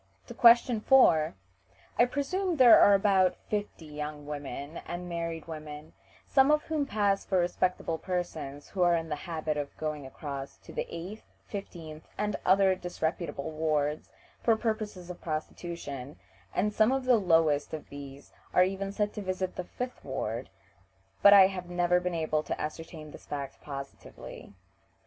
To question 4: "I presume there are fifty young women and married women, some of whom pass for respectable persons, who are in the habit of going across to the eighth, fifteenth, and other disreputable wards for purposes of prostitution, and some of the lowest of these are even said to visit the fifth ward, but I have never been able to ascertain this fact positively."